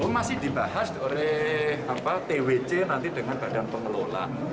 masih dibahas oleh twc nanti dengan badan pengelola